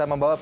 a sampai z